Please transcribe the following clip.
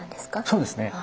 そうですね。